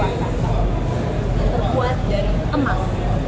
yang terbuat dari emas